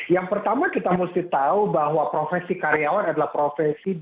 yang pertama kita mesti tahu bahwa profesi karyawan adalah profesi